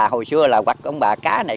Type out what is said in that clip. hồi xưa là quặt ông bà cá này